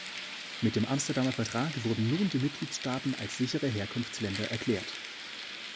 Mit dem Amsterdamer Vertrag wurden nun die Mitgliedstaaten als sichere Herkunftsländer erklärt.